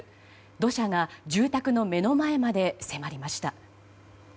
土砂が住宅の目の前まで迫りました。